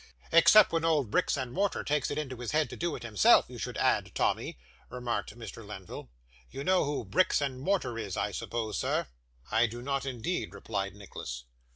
'Except when old bricks and mortar takes it into his head to do it himself, you should add, Tommy,' remarked Mr. Lenville. 'You know who bricks and mortar is, I suppose, sir?' 'I do not, indeed,' replied Nicholas.